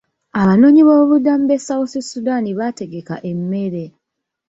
Abanoonyiboobubudamu b'e South Sudan baategeka emmere.